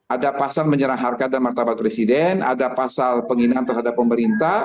ada pasal menyerang harkat dan martabat presiden ada pasal penghinaan terhadap pemerintah